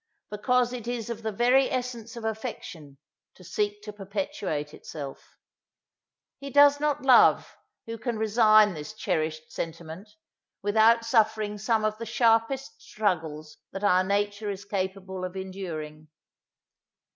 Because it is of the very essence of affection, to seek to perpetuate itself. He does not love, who can resign this cherished sentiment, without suffering some of the sharpest struggles that our nature is capable of enduring.